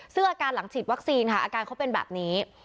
ซึ่งอาการหลังฉีดวัคซีนค่ะอาการเขาเป็นแบบนี้